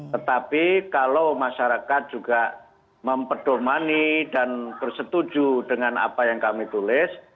tetapi kalau masyarakat juga memperdomani dan bersetuju dengan apa yang kami tulis